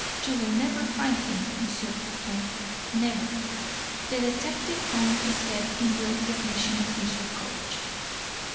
You will never find him, M. Floçon, never." The detective hung his head in guilty admission of this reproach.